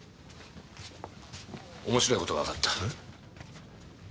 面白いことがわかった。